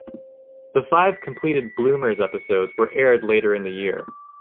The five completed "Bloomers" episodes were aired later in the year.